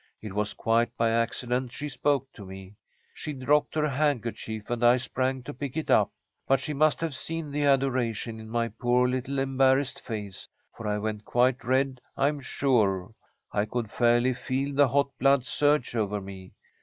It was quite by accident she spoke to me. She dropped her handkerchief, and I sprang to pick it up. But she must have seen the adoration in my poor little embarrassed face, for I went quite red I am sure. I could fairly feel the hot blood surge over me.